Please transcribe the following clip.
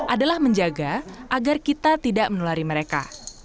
adalah menjaga agar kita tidak menulari mereka